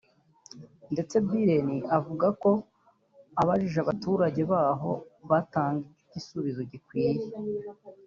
ndetse Billen avuga ko ubajije abaturage baho batanga igisubizo gikwiye